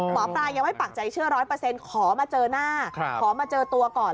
หมอปลายังไม่ปร่างใจเชื่อร้อยเปอร์เซ็นต์ขอมาเจอหน้าขอมาเจอตัวก่อน